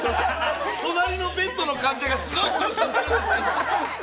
隣のベッドの患者がすごい苦しんでる。